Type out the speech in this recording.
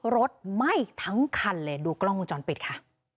ไหม้ทั้งคันเลยดูกล้องวงจรปิดค่ะ